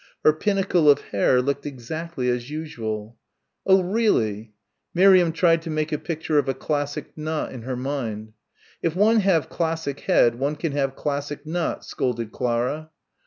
Her pinnacle of hair looked exactly as usual. "Oh, really." Miriam tried to make a picture of a classic knot in her mind. "If one have classic head one can have classic knot," scolded Clara.